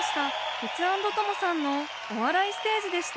テツａｎｄトモさんのお笑いステージでした。